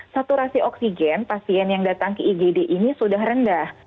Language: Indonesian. saturasi oksigen pasien yang datang ke igd ini sudah rendah